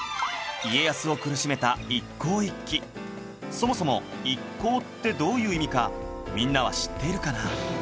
そもそも「一向」ってどういう意味かみんなは知っているかな？